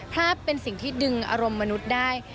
ภาพเป็นสิ่งที่ดึงอารมณ์มนุษย์ได้